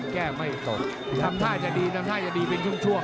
แก้ไม่ตกทำท่าจะดีทำท่าจะดีเป็นช่วง